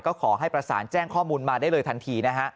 ก็ขอให้ประสานแจ้งข้อมูลมาได้เลยทันทีนะฮะ